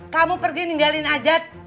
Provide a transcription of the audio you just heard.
kamu pergi ninggalin najat